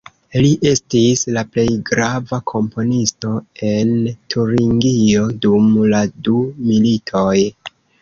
Li estis la plej grava komponisto en Turingio dum la du militoj.